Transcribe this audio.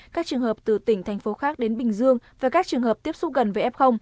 các trường hợp từ tỉnh thành phố khác đến bình dương và các trường hợp tiếp xúc gần với f